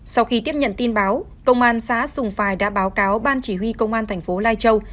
sau khi tiếp nhận tin báo công an xã sùng phài đã báo cáo ban chỉ huy công an thành phố lai châu